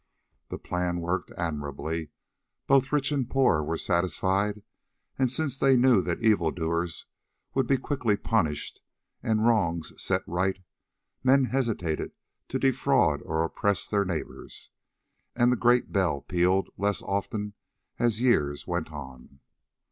The plan worked admirably; both rich and poor were satisfied, and since they knew that evil doers would be quickly punished, and wrongs set right, men hesitated to defraud or oppress their neighbours, and the great bell pealed less often as years went on.